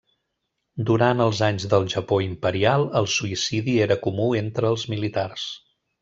Durant els anys del Japó imperial, el suïcidi era comú entre els militars.